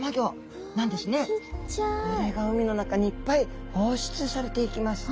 これが海の中にいっぱい放出されていきます。